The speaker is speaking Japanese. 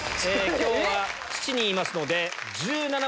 今日は７人いますので。